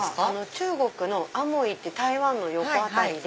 中国の厦門って台湾の横辺りで。